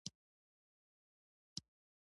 د سوډیم کلورایډ په مرکب کې نسبت یو پر یو دی.